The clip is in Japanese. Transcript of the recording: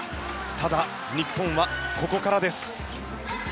ただ、日本はここからです。